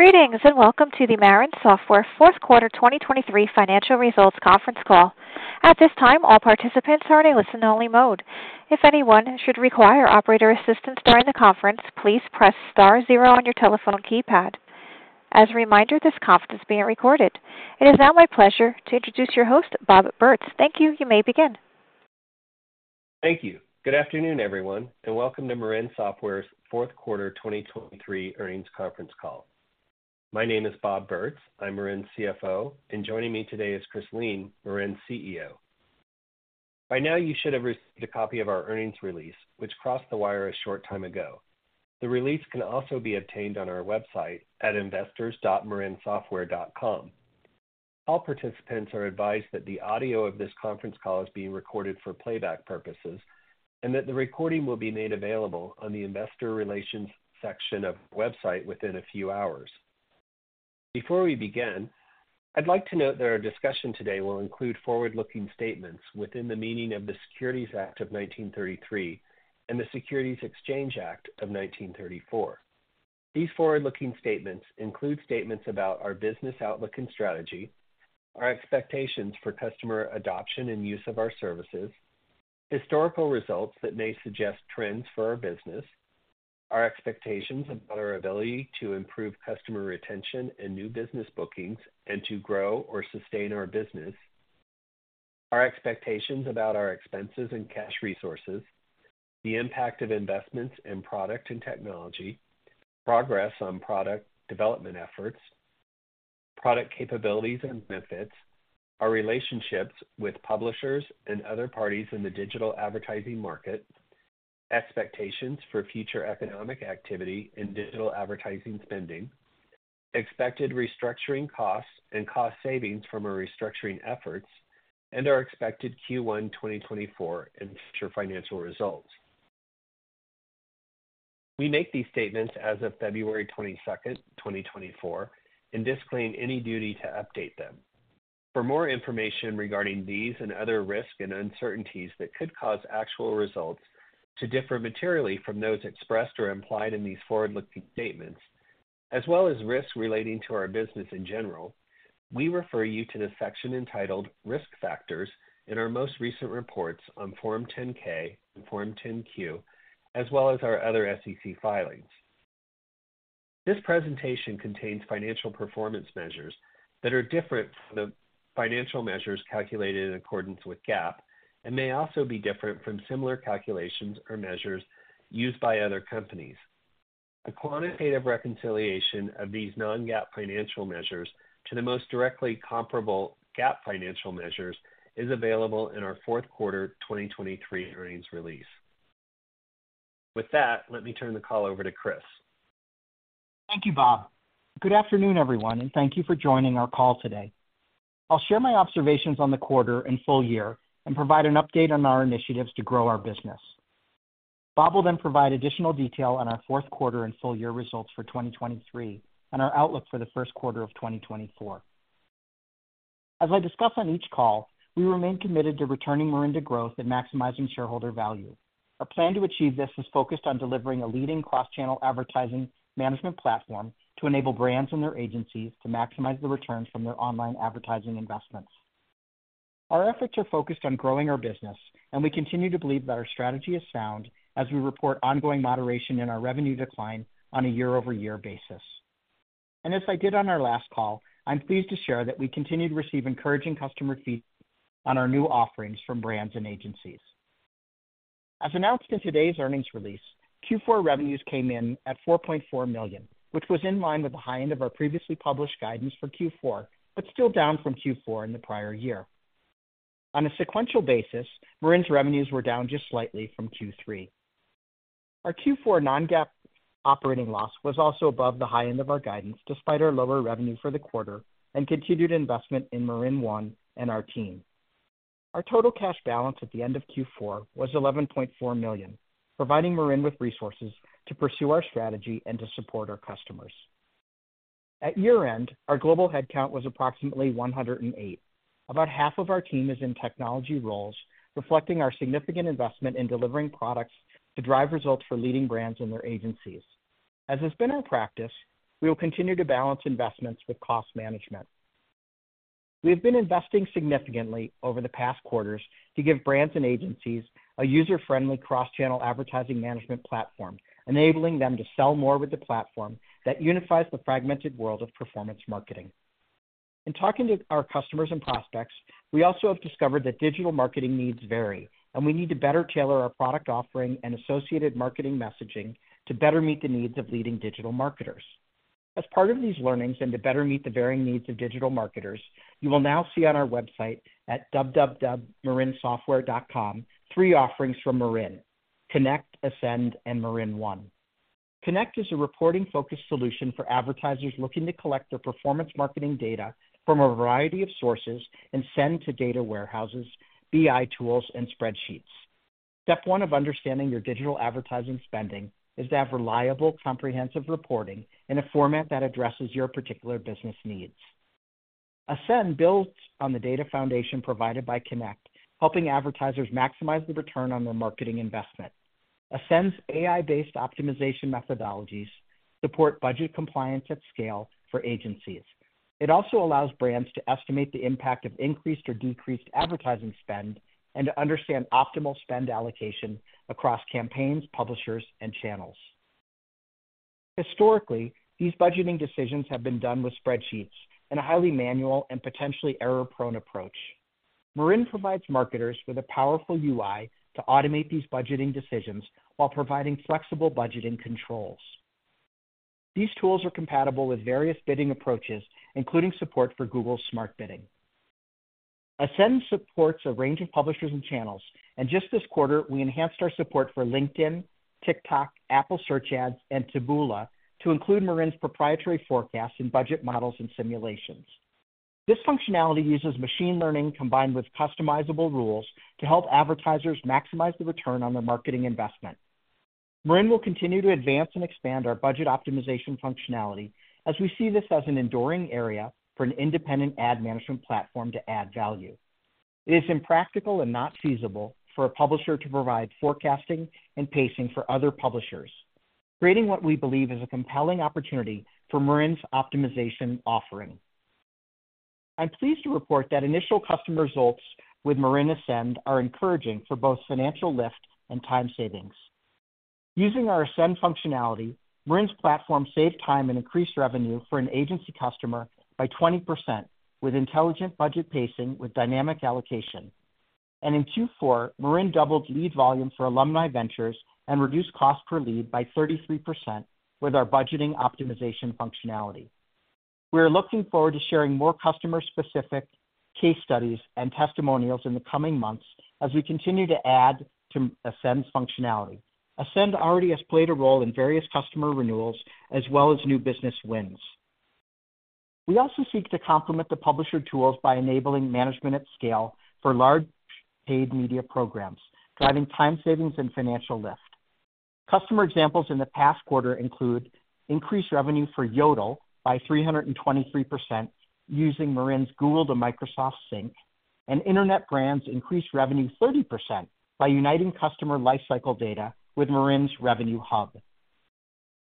Greetings and welcome to the Marin Software fourth quarter 2023 financial results conference call. At this time, all participants are in a listen-only mode. If anyone should require operator assistance during the conference, please press star zero on your telephone keypad. As a reminder, this conference is being recorded. It is now my pleasure to introduce your host, Bob Bertz. Thank you. You may begin. Thank you. Good afternoon, everyone, and welcome to Marin Software's fourth quarter 2023 earnings conference call. My name is Bob Bertz. I'm Marin's CFO, and joining me today is Chris Lien, Marin's CEO. By now, you should have received a copy of our earnings release, which crossed the wire a short time ago. The release can also be obtained on our website at investors.marinsoftware.com. All participants are advised that the audio of this conference call is being recorded for playback purposes and that the recording will be made available on the Investor Relations section of the website within a few hours. Before we begin, I'd like to note that our discussion today will include forward-looking statements within the meaning of the Securities Act of 1933 and the Securities Exchange Act of 1934. These forward-looking statements include statements about our business outlook and strategy, our expectations for customer adoption and use of our services, historical results that may suggest trends for our business, our expectations about our ability to improve customer retention and new business bookings and to grow or sustain our business, our expectations about our expenses and cash resources, the impact of investments in product and technology, progress on product development efforts, product capabilities and benefits, our relationships with publishers and other parties in the digital advertising market, expectations for future economic activity and digital advertising spending, expected restructuring costs and cost savings from our restructuring efforts, and our expected Q1 2024 and future financial results. We make these statements as of February 22nd, 2024, and disclaim any duty to update them. For more information regarding these and other risks and uncertainties that could cause actual results to differ materially from those expressed or implied in these forward-looking statements, as well as risks relating to our business in general, we refer you to the section entitled Risk Factors in our most recent reports on Form 10-K and Form 10-Q, as well as our other SEC filings. This presentation contains financial performance measures that are different from the financial measures calculated in accordance with GAAP and may also be different from similar calculations or measures used by other companies. A quantitative reconciliation of these non-GAAP financial measures to the most directly comparable GAAP financial measures is available in our fourth quarter 2023 earnings release. With that, let me turn the call over to Chris. Thank you, Bob. Good afternoon, everyone, and thank you for joining our call today. I'll share my observations on the quarter and full year and provide an update on our initiatives to grow our business. Bob will then provide additional detail on our fourth quarter and full year results for 2023 and our outlook for the first quarter of 2024. As I discuss on each call, we remain committed to returning Marin to growth and maximizing shareholder value. Our plan to achieve this is focused on delivering a leading cross-channel advertising management platform to enable brands and their agencies to maximize the returns from their online advertising investments. Our efforts are focused on growing our business, and we continue to believe that our strategy is sound as we report ongoing moderation in our revenue decline on a year-over-year basis. As I did on our last call, I'm pleased to share that we continue to receive encouraging customer feedback on our new offerings from brands and agencies. As announced in today's earnings release, Q4 revenues came in at $4.4 million, which was in line with the high end of our previously published guidance for Q4 but still down from Q4 in the prior year. On a sequential basis, Marin's revenues were down just slightly from Q3. Our Q4 non-GAAP operating loss was also above the high end of our guidance despite our lower revenue for the quarter and continued investment in MarinOne and our team. Our total cash balance at the end of Q4 was $11.4 million, providing Marin with resources to pursue our strategy and to support our customers. At year-end, our global headcount was approximately 108. About half of our team is in technology roles, reflecting our significant investment in delivering products to drive results for leading brands and their agencies. As has been our practice, we will continue to balance investments with cost management. We have been investing significantly over the past quarters to give brands and agencies a user-friendly cross-channel advertising management platform, enabling them to sell more with the platform that unifies the fragmented world of performance marketing. In talking to our customers and prospects, we also have discovered that digital marketing needs vary, and we need to better tailor our product offering and associated marketing messaging to better meet the needs of leading digital marketers. As part of these learnings and to better meet the varying needs of digital marketers, you will now see on our website at www.marinsoftware.com three offerings from Marin: Connect, Ascend, and MarinOne. Connect is a reporting-focused solution for advertisers looking to collect their performance marketing data from a variety of sources and send to data warehouses, BI tools, and spreadsheets. Step one of understanding your digital advertising spending is to have reliable, comprehensive reporting in a format that addresses your particular business needs. Ascend builds on the data foundation provided by Connect, helping advertisers maximize the return on their marketing investment. Ascend's AI-based optimization methodologies support budget compliance at scale for agencies. It also allows brands to estimate the impact of increased or decreased advertising spend and to understand optimal spend allocation across campaigns, publishers, and channels. Historically, these budgeting decisions have been done with spreadsheets in a highly manual and potentially error-prone approach. Marin provides marketers with a powerful UI to automate these budgeting decisions while providing flexible budgeting controls. These tools are compatible with various bidding approaches, including support for Google Smart Bidding. Ascend supports a range of publishers and channels, and just this quarter, we enhanced our support for LinkedIn, TikTok, Apple Search Ads, and Taboola to include Marin's proprietary forecasts and budget models and simulations. This functionality uses machine learning combined with customizable rules to help advertisers maximize the return on their marketing investment. Marin will continue to advance and expand our budget optimization functionality as we see this as an enduring area for an independent ad management platform to add value. It is impractical and not feasible for a publisher to provide forecasting and pacing for other publishers, creating what we believe is a compelling opportunity for Marin's optimization offering. I'm pleased to report that initial customer results with Marin Ascend are encouraging for both financial lift and time savings. Using our Ascend functionality, Marin's platform saved time and increased revenue for an agency customer by 20% with intelligent budget pacing with dynamic allocation. In Q4, Marin doubled lead volume for Alumni Ventures and reduced cost per lead by 33% with our budgeting optimization functionality. We are looking forward to sharing more customer-specific case studies and testimonials in the coming months as we continue to add to Ascend's functionality. Ascend already has played a role in various customer renewals as well as new business wins. We also seek to complement the publisher tools by enabling management at scale for large-paid media programs, driving time savings and financial lift. Customer examples in the past quarter include increased revenue for YOTEL by 323% using Marin's Google to Microsoft Sync, and Internet Brands increased revenue 30% by uniting customer lifecycle data with Marin's Revenue Hub.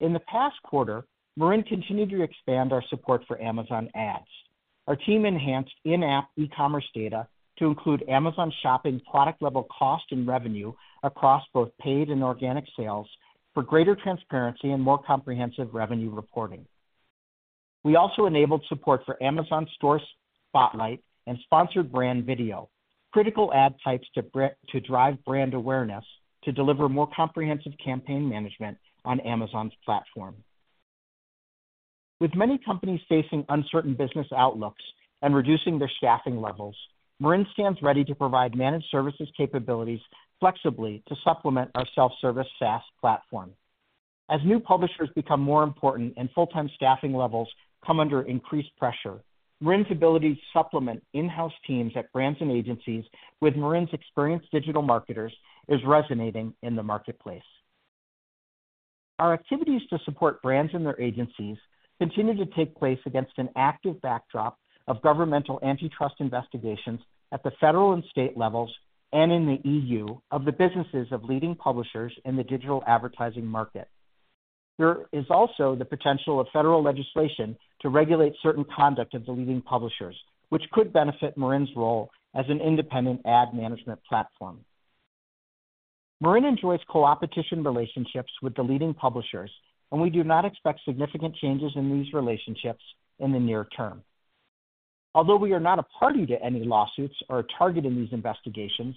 In the past quarter, Marin continued to expand our support for Amazon Ads. Our team enhanced in-app e-commerce data to include Amazon Shopping product-level cost and revenue across both paid and organic sales for greater transparency and more comprehensive revenue reporting. We also enabled support for Amazon Store Spotlight and Sponsored Brand Video, critical ad types to drive brand awareness to deliver more comprehensive campaign management on Amazon's platform. With many companies facing uncertain business outlooks and reducing their staffing levels, Marin stands ready to provide Managed Services capabilities flexibly to supplement our self-service SaaS platform. As new publishers become more important and full-time staffing levels come under increased pressure, Marin's ability to supplement in-house teams at brands and agencies with Marin's experienced digital marketers is resonating in the marketplace. Our activities to support brands and their agencies continue to take place against an active backdrop of governmental antitrust investigations at the federal and state levels and in the EU of the businesses of leading publishers in the digital advertising market. There is also the potential of federal legislation to regulate certain conduct of the leading publishers, which could benefit Marin's role as an independent ad management platform. Marin enjoys coopetition relationships with the leading publishers, and we do not expect significant changes in these relationships in the near term. Although we are not a party to any lawsuits or a target in these investigations,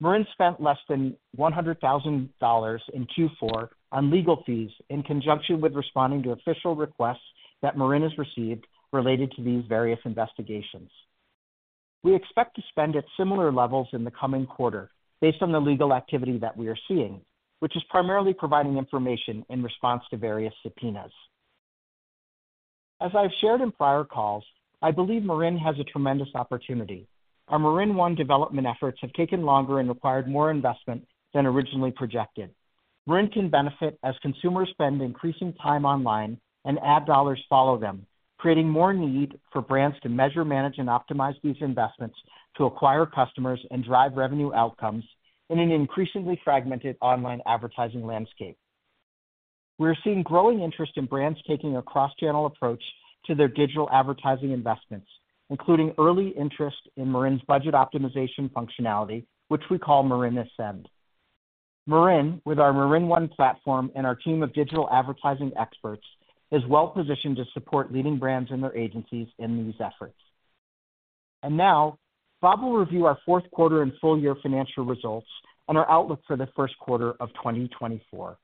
Marin spent less than $100,000 in Q4 on legal fees in conjunction with responding to official requests that Marin has received related to these various investigations. We expect to spend at similar levels in the coming quarter based on the legal activity that we are seeing, which is primarily providing information in response to various subpoenas. As I've shared in prior calls, I believe Marin has a tremendous opportunity. Our MarinOne development efforts have taken longer and required more investment than originally projected. Marin can benefit as consumers spend increasing time online and ad dollars follow them, creating more need for brands to measure, manage, and optimize these investments to acquire customers and drive revenue outcomes in an increasingly fragmented online advertising landscape. We are seeing growing interest in brands taking a cross-channel approach to their digital advertising investments, including early interest in Marin's budget optimization functionality, which we call Marin Ascend. Marin, with our MarinOne platform and our team of digital advertising experts, is well-positioned to support leading brands and their agencies in these efforts. Now, Bob will review our fourth quarter and full year financial results and our outlook for the first quarter of 2024.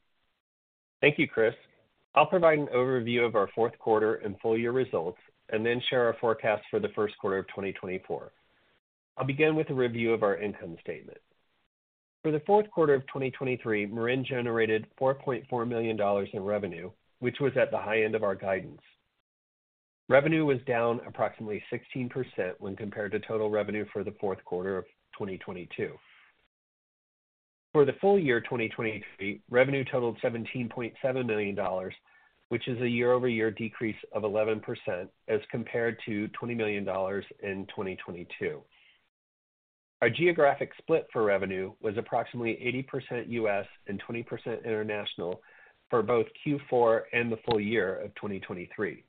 Thank you, Chris. I'll provide an overview of our fourth quarter and full year results and then share our forecast for the first quarter of 2024. I'll begin with a review of our income statement. For the fourth quarter of 2023, Marin generated $4.4 million in revenue, which was at the high end of our guidance. Revenue was down approximately 16% when compared to total revenue for the fourth quarter of 2022. For the full year 2023, revenue totaled $17.7 million, which is a year-over-year decrease of 11% as compared to $20 million in 2022. Our geographic split for revenue was approximately 80% U.S. and 20% international for both Q4 and the full year of 2023.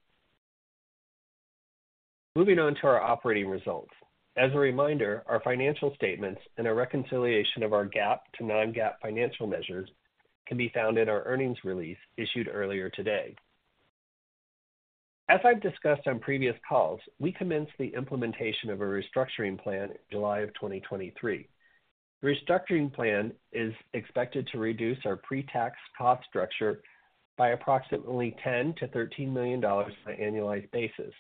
Moving on to our operating results. As a reminder, our financial statements and a reconciliation of our GAAP to non-GAAP financial measures can be found in our earnings release issued earlier today. As I've discussed on previous calls, we commenced the implementation of a restructuring plan in July of 2023. The restructuring plan is expected to reduce our pre-tax cost structure by approximately $10 million-$13 million on an annualized basis.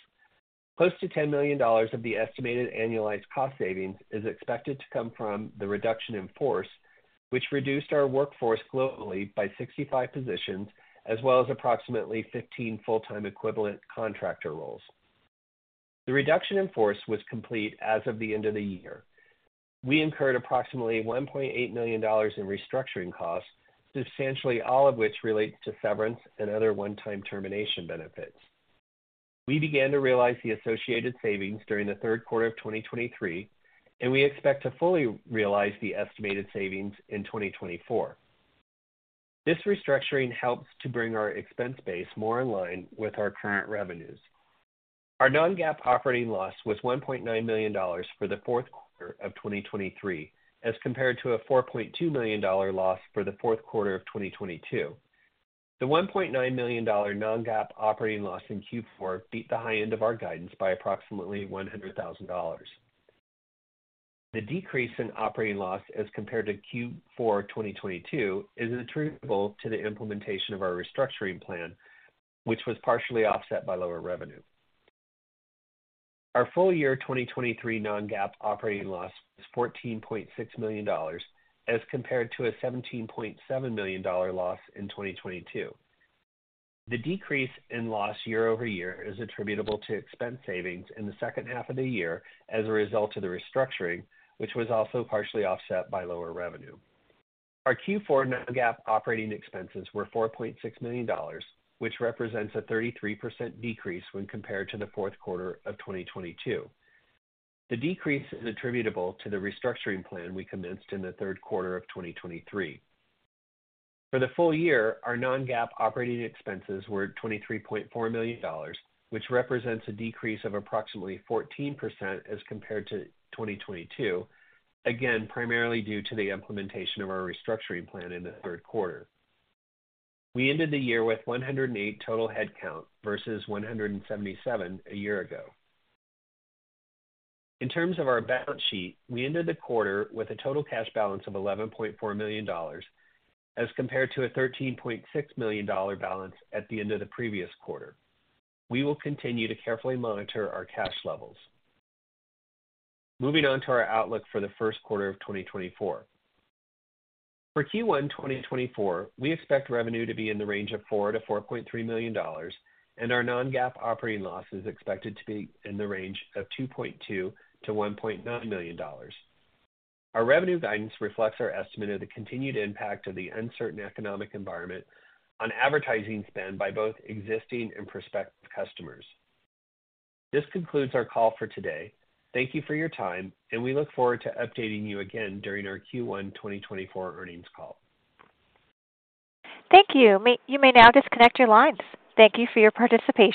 Close to $10 million of the estimated annualized cost savings is expected to come from the reduction in force, which reduced our workforce globally by 65 positions as well as approximately 15 full-time equivalent contractor roles. The reduction in force was complete as of the end of the year. We incurred approximately $1.8 million in restructuring costs, substantially all of which relates to severance and other one-time termination benefits. We began to realize the associated savings during the third quarter of 2023, and we expect to fully realize the estimated savings in 2024. This restructuring helps to bring our expense base more in line with our current revenues. Our non-GAAP operating loss was $1.9 million for the fourth quarter of 2023 as compared to a $4.2 million loss for the fourth quarter of 2022. The $1.9 million non-GAAP operating loss in Q4 beat the high end of our guidance by approximately $100,000. The decrease in operating loss as compared to Q4 2022 is attributable to the implementation of our restructuring plan, which was partially offset by lower revenue. Our full year 2023 non-GAAP operating loss was $14.6 million as compared to a $17.7 million loss in 2022. The decrease in loss year-over-year is attributable to expense savings in the second half of the year as a result of the restructuring, which was also partially offset by lower revenue. Our Q4 non-GAAP operating expenses were $4.6 million, which represents a 33% decrease when compared to the fourth quarter of 2022. The decrease is attributable to the restructuring plan we commenced in the third quarter of 2023. For the full year, our non-GAAP operating expenses were $23.4 million, which represents a decrease of approximately 14% as compared to 2022, again primarily due to the implementation of our restructuring plan in the third quarter. We ended the year with 108 total headcount versus 177 a year ago. In terms of our balance sheet, we ended the quarter with a total cash balance of $11.4 million as compared to a $13.6 million balance at the end of the previous quarter. We will continue to carefully monitor our cash levels. Moving on to our outlook for the first quarter of 2024. For Q1 2024, we expect revenue to be in the range of $4 million-$4.3 million, and our non-GAAP operating loss is expected to be in the range of $2.2 million-$1.9 million. Our revenue guidance reflects our estimate of the continued impact of the uncertain economic environment on advertising spend by both existing and prospective customers. This concludes our call for today. Thank you for your time, and we look forward to updating you again during our Q1 2024 earnings call. Thank you. You may now disconnect your lines. Thank you for your participation.